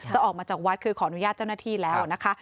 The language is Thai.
จะออกมาจากวัดคือขออนุญาตเจ้าหน้าที่แล้วนะคะ